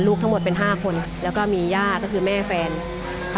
ลูกทั้งหมดเป็น๕คนแล้วก็มีย่าก็คือแม่แฟนค่ะ